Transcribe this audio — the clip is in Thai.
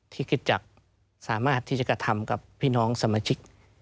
คิดจากสามารถที่จะกระทำกับพี่น้องสมาชิก